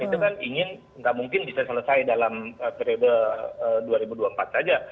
itu kan ingin nggak mungkin bisa selesai dalam periode dua ribu dua puluh empat saja